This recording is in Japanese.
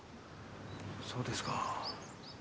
そうですか。